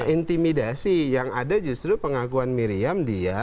intimidasi yang ada justru pengakuan miriam dia